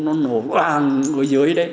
nó nổ vàng ở dưới đấy